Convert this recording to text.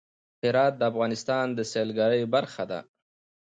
هرات د افغانستان د سیلګرۍ برخه ده.